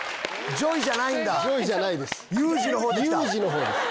ＪＯＹじゃないです。